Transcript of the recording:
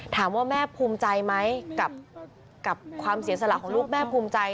ถามว่าแม่ภูมิใจไหมกับความเสียสละของลูกแม่ภูมิใจ